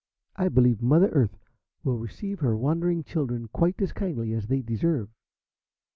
I believe Mother Earth will receive her wandering children quite as kindly as they deserve."